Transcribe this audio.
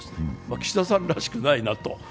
岸田さんらしくないなと。